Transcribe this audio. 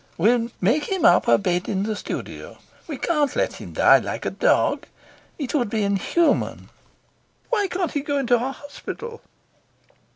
We'll make him up a bed in the studio. We can't let him die like a dog. It would be inhuman." "Why can't he go to a hospital?"